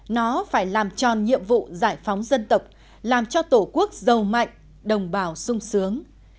nó phải làm tròn nhiệm vụ giải phóng dân tộc làm cho tổ quốc giàu mạnh đồng bào sung sướng